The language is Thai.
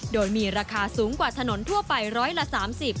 โดยมีราคาสูงกว่าถนนทั่วไปร้อยละ๓๐